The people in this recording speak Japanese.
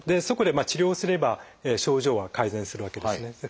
そこで治療すれば症状は改善するわけですね。